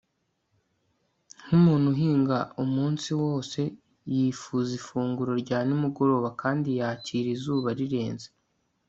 Nkumuntu uhinga umunsi wose yifuza ifunguro rya nimugoroba kandi yakira izuba rirenze